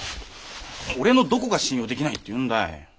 俺のどこが信用できないっていうんだい？